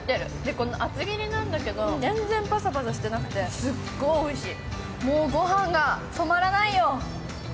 この厚切りなんだけど、全然パサパサしてなくて、すっごいおいしい。